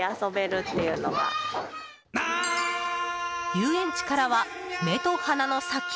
遊園地からは目と鼻の先！